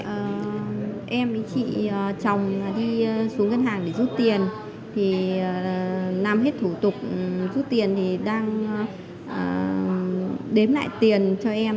trong khi đi xuống ngân hàng để rút tiền làm hết thủ tục rút tiền thì đang đếm lại tiền cho em